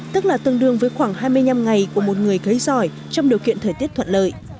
tức là tương đương với khoảng hai mươi năm ngày của một người cấy giỏi trong điều kiện thời tiết thuận lợi